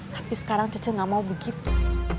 tapi sekarang caca gak mau begitu